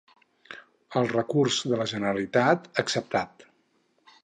El recurs de la Generalitat, acceptat.